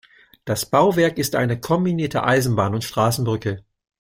Das Bauwerk ist eine kombinierte Eisenbahn- und Straßenbrücke.